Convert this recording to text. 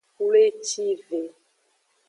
Wlecive.